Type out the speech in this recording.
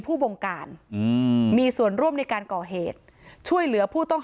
วงการอืมมีส่วนร่วมในการก่อเหตุช่วยเหลือผู้ต้อง